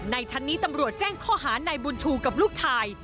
ทั้งนี้ตำรวจแจ้งข้อหานายบุญชูกับลูกชาย